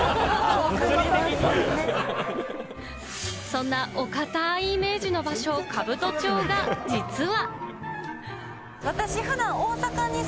そんなお堅いイメージの場所・兜町が、実は。